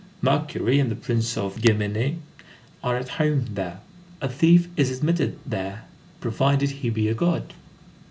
Mercury and the Prince de Guémenée are at home there. A thief is admitted there, provided he be a god.